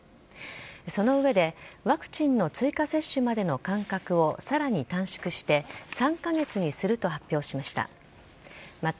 その上で、ワクチンの追加接種までの間隔をさらに短縮して３か月にすると発表しました。